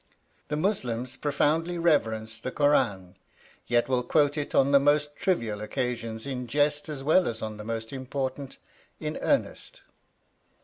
The Muslims profoundly reverence the Kur ân, yet will quote it on the most trivial occasions in jest as well as on the most important in earnest.